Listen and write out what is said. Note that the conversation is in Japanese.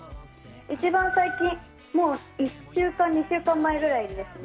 一番最近、１週間２週間前くらいですね。